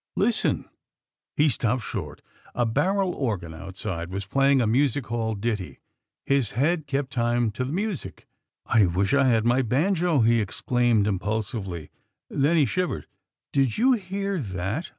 Listen!" He stopped short. A barrel organ outside was playing a music hall ditty. His head kept time to the music. "I wish I had my banjo!" he exclaimed, impulsively. Then he shivered. "Did you hear that?